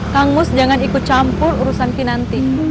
kang mus jangan ikut campur urusan finanti